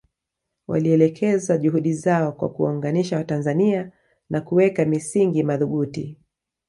Walielekeza juhudi zao kwa kuwaunganisha Watanzania na kuweka misingi madhubuti